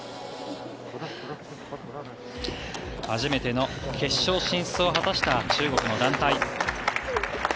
初めての決勝進出を果たした中国の団体。